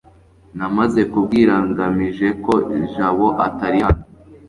namaze kubwira ngamije ko jabo atari hano